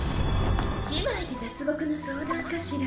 姉妹で脱獄の相談かしら？